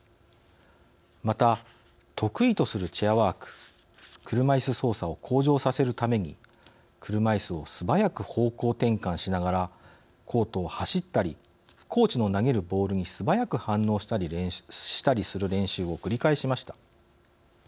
また、得意とするチェアワーク＝車いす操作を向上させるために車いすを素早く方向転換しながらコートを走ったりコーチの投げるボールに素早く反応したりする練習を繰り返しました。